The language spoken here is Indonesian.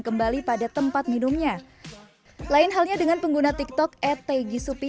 kembali pada tempat minumnya lain halnya dengan pengguna tik tok etegi supiya